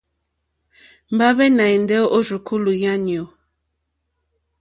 Mbahve nà èndè o rzùkulù yànyu.